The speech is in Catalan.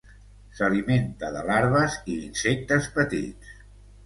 S'alimenta de larves i insectes petits.